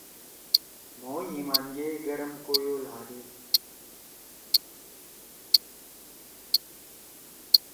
مھو ہیِمان گے گرم کویو لھادی۔